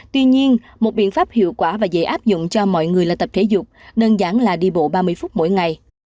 tuy nhiên một biện pháp hiệu quả và dễ áp dụng cho mọi người là tập thể dục đơn giản là đi bộ ba mươi phút mỗi ngày